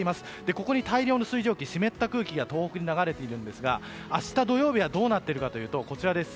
ここに大量の水蒸気湿った空気が東北に流れているんですが明日、土曜日はどうなっているか。